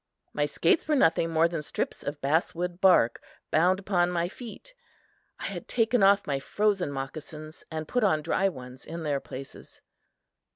My skates were nothing more than strips of basswood bark bound upon my feet. I had taken off my frozen moccasins and put on dry ones in their places.